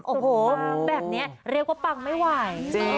โอ้โหแบบนี้เรียกว่าปังไม่ไหว